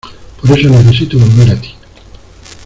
por eso necesito volver a ti